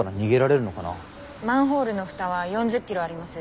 マンホールの蓋は４０ｋｇあります。